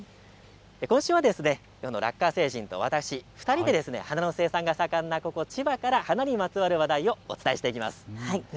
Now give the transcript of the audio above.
今週はラッカ星人と私２人で花の生産が盛んな千葉から花にまつわる話題をお伝えしていきます。